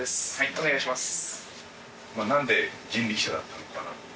お願いします。